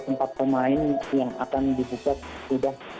empat pemain yang akan dibuka sudah